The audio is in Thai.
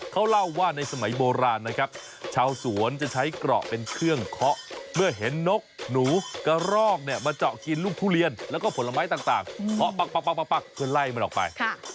เขาเล่าว่าในสมัยโบราณนะครับชาวสวนจะใช้เกราะเป็นเครื่องเคาะเมื่อเห็นนกหนูกระรอกเนี่ยมาเจาะกินลูกทุเรียนแล้วก็ผลไม้ต่างเคาะปักเพื่อไล่มันออกไป